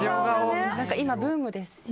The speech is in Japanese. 今ブームですし。